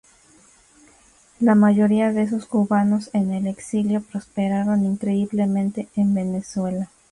La mayoría de esos cubanos en el exilio prosperaron increíblemente en Venezuela.